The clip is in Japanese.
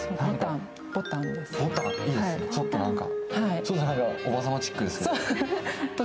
ちょっとおばさまチックですね。